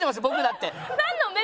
僕だって。